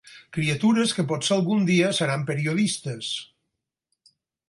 Criatures que potser algun dia seran periodistes.